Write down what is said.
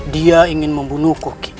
dia ingin membunuhku